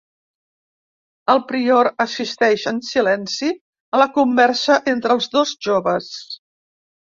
El prior assisteix en silenci a la conversa entre els dos joves.